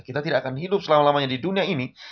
kita tidak akan hidup selama lamanya di dunia ini